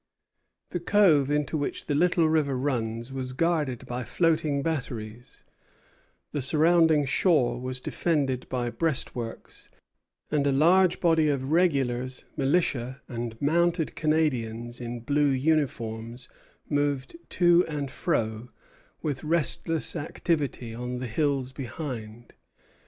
The cove into which the little river runs was guarded by floating batteries; the surrounding shore was defended by breastworks; and a large body of regulars, militia, and mounted Canadians in blue uniforms moved to and fro, with restless activity, on the hills behind.